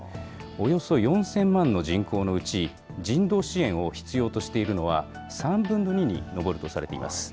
およそ４０００万の人口のうち、人道支援を必要としているのは３分の２に上るとされています。